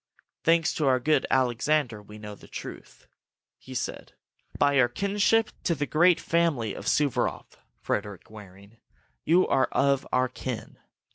"Thanks to our good Alexander, we know the truth," he said. "By your kinship to the great family of Suvaroff, Frederick Waring, you are of our kin.